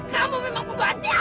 kamu memang kumbuah sial